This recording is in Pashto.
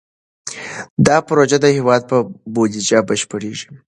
دا پروژه د هېواد په بودیجه بشپړېږي.